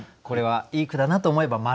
これはいい句だなと思えば